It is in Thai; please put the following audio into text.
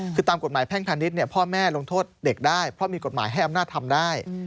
คือตามกฎหมายแพ่งพาณิชย์พ่อแม่ลงโทษเด็กได้เพราะมีกฎหมายให้อำนาจทำได้